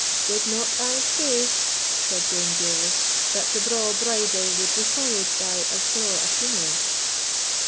"Did not I say," said Dame Gourlay, "that the braw bridal would be followed by as braw a funeral?"